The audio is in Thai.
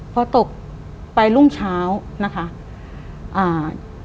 พอตกไปรุ่งเช้านะคะอ่า